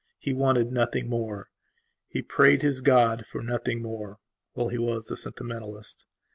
He wanted nothing more, He prayed his God for nothing more. Well, he was a sentimentalist.